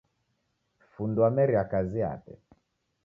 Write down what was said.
Fundi wameria kazi yape